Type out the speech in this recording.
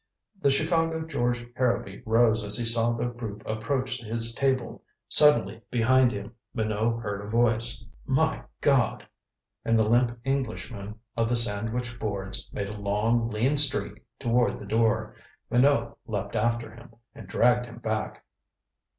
The Chicago George Harrowby rose as he saw the group approach his table. Suddenly behind him Minot heard a voice: "My God!" And the limp Englishman of the sandwich boards made a long lean streak toward the door. Minot leaped after him, and dragged him back.